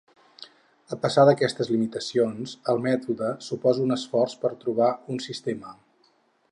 A pesar d'aquestes limitacions, el mètode suposa un esforç per trobar un sistema.